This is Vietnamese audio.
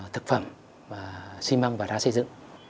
thực phẩm xi măng và đá xây dựng